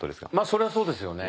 それはそうですよね。